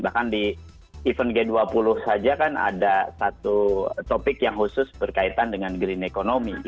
bahkan di event g dua puluh saja kan ada satu topik yang khusus berkaitan dengan green economy